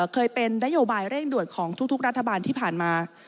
เคยเป็นนโยบายเร่งด่วนของทุกรัฐบาลที่ผ่านมา